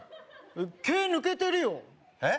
「け」抜けてるよえっ？